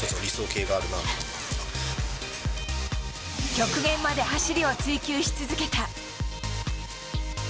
極限まで走りを追求し続けた。